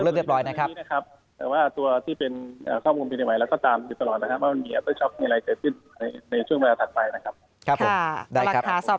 ยกเลิกแล้วครับยกเลิกเรียบร้อยนะครับ